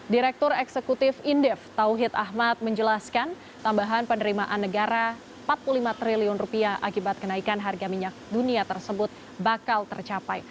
direktur eksekutif indef tauhid ahmad menjelaskan tambahan penerimaan negara rp empat puluh lima triliun akibat kenaikan harga minyak dunia tersebut bakal tercapai